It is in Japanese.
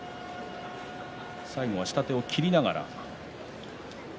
最後は下手を切りながら。